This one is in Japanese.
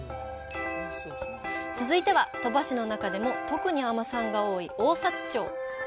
続いては、鳥羽市の中でも特に海女さんが多い相差町。